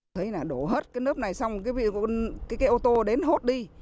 thấy là đổ hết cái nếp này xong cái ô tô đến hốt đi